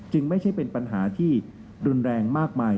ไม่ใช่เป็นปัญหาที่รุนแรงมากมาย